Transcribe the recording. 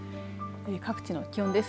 各地の気温です。